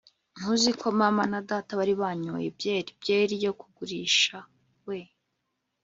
ntuzi ko data na mama bari banyoye byeri; byeri yo kugurisha. we